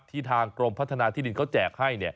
ทางกรมพัฒนาที่ดินเขาแจกให้